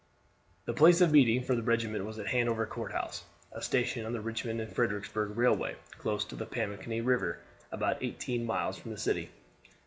The place of meeting for the regiment was at Hanover Courthouse a station on the Richmond and Fredericksburg Railway, close to the Pamunkey River, about eighteen miles from the city.